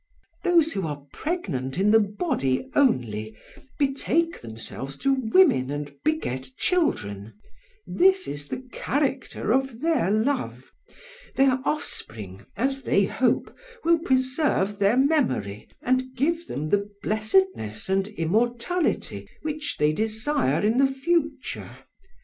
"'Those who are pregnant in the body only, betake themselves to women and beget children this is the character of their love; their offspring, as they hope, will preserve their memory and give them the blessedness and immortality which they desire in the future.